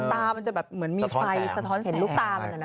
ตามันจะแบบเหมือนมีไฟสะท้อนแสง